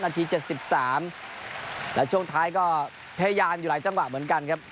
นาที๗๓และช่วงท้ายก็พยายามอยู่หลายจังหวะเหมือนกันครับ